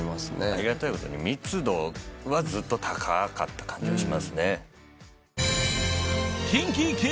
ありがたいことに密度はずっと高かった感じはしますね。